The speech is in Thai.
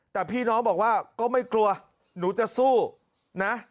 แต่พี่น้องบอกว่าก็ไม่กลัวหนูจะสู้นะ